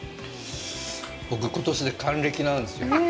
僕、ことしで還暦なんですよ。